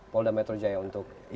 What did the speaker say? pol dan metro jaya untuk ini